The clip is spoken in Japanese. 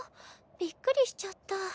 びっくりしちゃった。